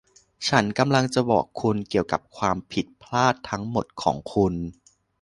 ฉันกำลังจะบอกคุณเกี่ยวกับความผิดพลาดทั้งหมดของคุณ